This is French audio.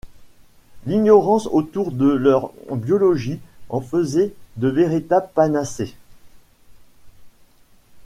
L'ignorance autour de leur biologie en faisait de véritables panacées.